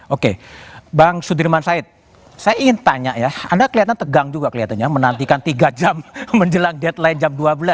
oke bang sudirman said saya ingin tanya ya anda kelihatan tegang juga kelihatannya menantikan tiga jam menjelang deadline jam dua belas